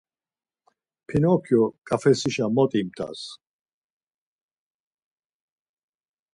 Pinokyo ǩafesişe mot imt̆as.